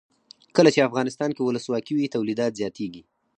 کله چې افغانستان کې ولسواکي وي تولیدات زیاتیږي.